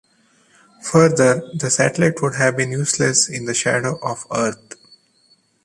Further, the satellite would have been useless in the shadow of Earth.